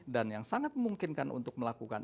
dan yang sangat memungkinkan untuk melakukan